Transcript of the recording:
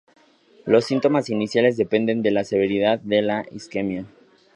Los síntomas iniciales dependen de la severidad de la isquemia.